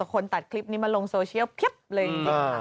ตัวคนตัดคลิปนี้มาลงโซเชียลเพียบเลย